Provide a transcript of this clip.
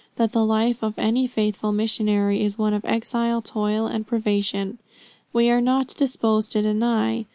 That the life of any faithful missionary is one of exile, toil, and privation, we are not disposed to deny.